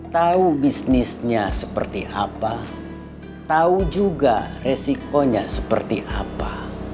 tahu bisnisnya seperti apa tahu juga resikonya seperti apa